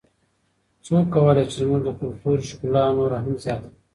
څوک کولای سي چې زموږ د کلتور ښکلا نوره هم زیاته کړي؟